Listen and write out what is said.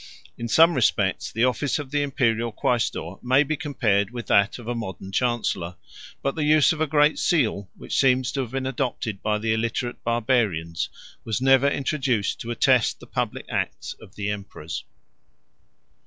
150 In some respects, the office of the Imperial quæstor may be compared with that of a modern chancellor; but the use of a great seal, which seems to have been adopted by the illiterate barbarians, was never introduced to attest the public acts of the emperors.